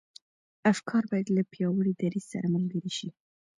افکار بايد له پياوړي دريځ سره ملګري شي.